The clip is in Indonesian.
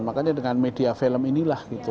makanya dengan media film inilah gitu